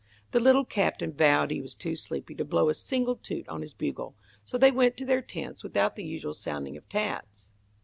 The Little Captain vowed he was too sleepy to blow a single toot on his bugle, so they went to their tents without the usual sounding of taps.